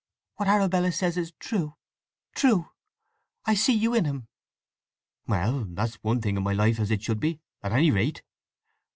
"What Arabella says is true—true! I see you in him!" "Well: that's one thing in my life as it should be, at any rate."